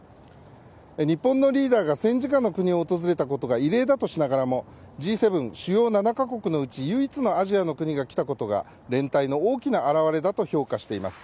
日本のリーダーが戦時下の国を訪れたことが異例だとしながらもＧ７・主要７か国のうち唯一のアジアの国が来たことが連帯の大きな表れだと評価しています。